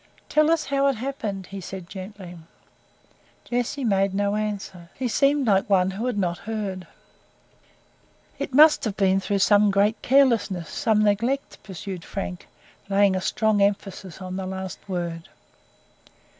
"Tell us how it happened," said he gently. Jessie made no answer. She seemed like one who heard not. "It must have been through some great carelessness some neglect," pursued Frank, laying a strong emphasis on the last word.